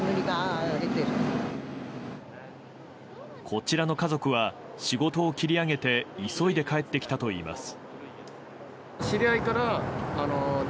こちらの家族は仕事を切り上げて急いで帰ってきたといいます。